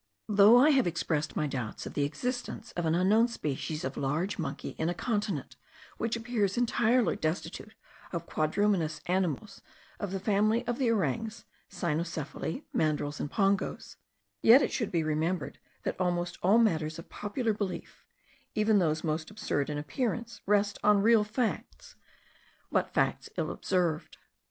Though I have expressed my doubts of the existence of an unknown species of large monkey in a continent which appears entirely destitute of quadrumanous animals of the family of the orangs, cynocephali, mandrils, and pongos; yet it should be remembered that almost all matters of popular belief, even those most absurd in appearance, rest on real facts, but facts ill observed.